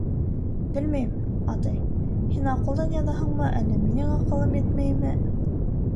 — Белмәйем, атай, һин аҡылдан яҙаһыңмы, әллә минең аҡылым етмәйме?